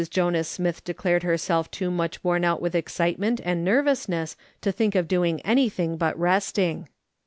Jonas Smith declared her self too much worn with excitement and nervousness lo think of doing anything hut resting.